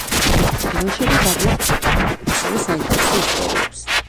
დროშები გადმოგვცემენ, ასევე, საინტერესო ისტორიებს.